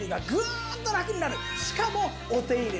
しかもお手入れ